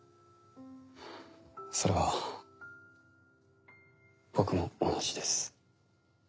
それは僕も同じです。